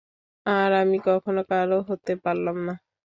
আর আমি কখনও কারো হতে পারলাম না।